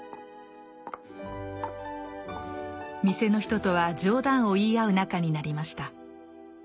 店の人とは冗談を言い合う仲になりました。